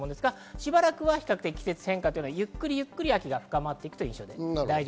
しばらくは季節の変化はゆっくり秋が深まっていきます。